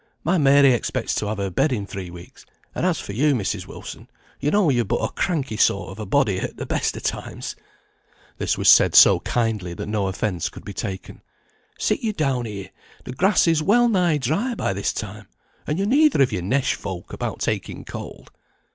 My Mary expects to have her bed in three weeks; and as for you, Mrs. Wilson, you know you're but a cranky sort of a body at the best of times." This was said so kindly, that no offence could be taken. "Sit you down here; the grass is well nigh dry by this time; and you're neither of you nesh folk about taking cold.